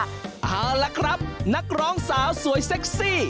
เอาละครับนักร้องสาวสวยเซ็กซี่